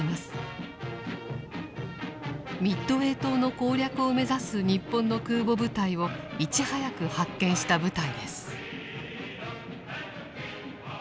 ミッドウェー島の攻略を目指す日本の空母部隊をいち早く発見した部隊です。